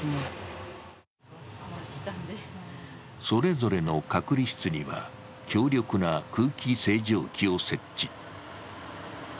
それぞれの隔離室には強力な空気清浄機を設置。